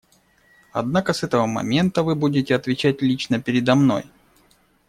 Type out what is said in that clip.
Однако с этого момента вы будете отвечать лично передо мной.